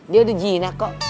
dia udah jinak kok